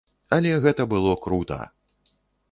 Але гэта было крута!